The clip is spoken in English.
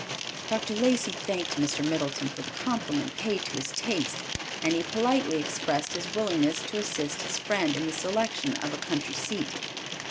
Dr. Lacey thanked Mr. Middleton for the compliment paid to his taste, and he politely expressed his willingness to assist his friend in the selection of a country seat.